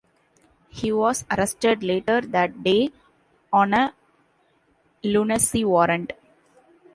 He was arrested later that day on a lunacy warrant.